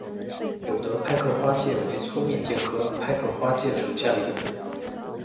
有德派克花介为粗面介科派克花介属下的一个种。